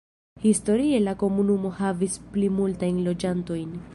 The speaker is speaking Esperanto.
Historie la komunumo havis pli multajn loĝantojn.